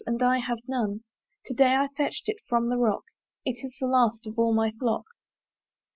and I have none; To day I fetched it from the rock; It is the last of all my flock."